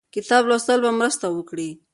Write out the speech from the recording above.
کتاب لوستل به مرسته وکړي.